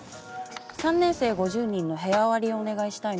３年生５０人の部屋割りをお願いしたいの。